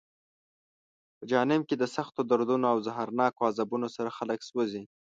په جهنم کې د سختو دردونو او زهرناکو عذابونو سره خلک سوزي.